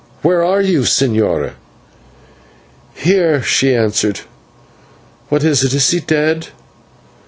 Where are you, señora?" "Here," she answered. "What is it? Is he dead?"